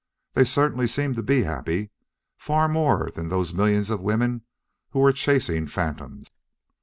They certainly seemed to be happy, far more so than those millions of women who were chasing phantoms.